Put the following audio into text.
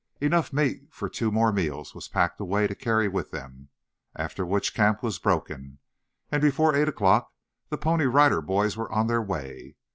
Enough meat for two more meals was packed away to carry with them, after which camp was broken, and before eight o'clock the Pony Rider Boys were on their way.